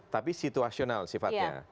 tapi situasional sifatnya